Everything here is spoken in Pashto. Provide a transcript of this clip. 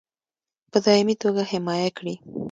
په دایمي توګه حمایه کړي.